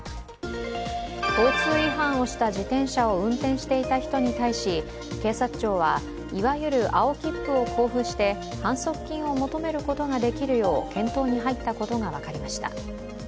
交通違反をした自転車を運転していた人に対し、警察庁は、いわゆる青切符を交付して反則金を求めることができるよう検討に入ったことが分かりました。